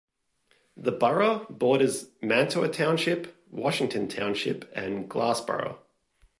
The borough borders Mantua Township, Washington Township and Glassboro.